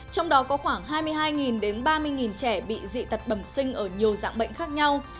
trong đó có khoảng hai mươi hai đến ba mươi trẻ bị dị tật bẩm sinh ở nhiều dạng bệnh khác nhau